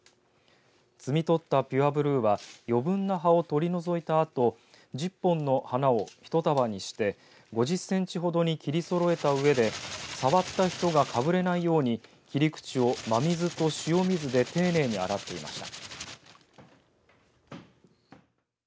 摘み取ったピュアブルーは余分な葉を取り除いたあと１０本の花を一束にして５０センチほどに切りそろえたうえで触った人がかぶれないように切り口を真水と塩水で丁寧に洗っていました。